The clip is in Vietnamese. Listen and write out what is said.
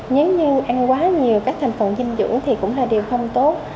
nếu như ăn quá nhiều các thành phần dinh dưỡng thì cũng là điều không tốt